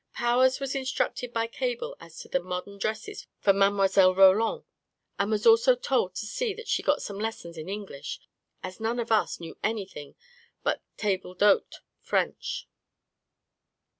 Powers was instructed by cable as to the modern dresses for Mile. Roland, and was also told to see that she got some lessons in English, as none of us knew anything but table d'hote French.